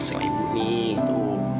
sama ibu nih tuh